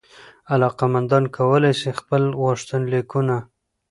علاقمندان کولای سي خپل غوښتنلیکونه